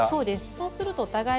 そうするとお互いが。